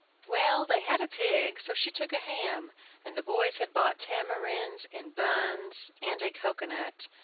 Well, they had a pig; so she took a ham, and the boys had bought tamarinds and buns and a cocoa nut.